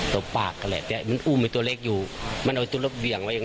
บปากกันแหละแต่มันอุ้มไอ้ตัวเล็กอยู่มันเอาตัวรถเบี่ยงไว้อย่าง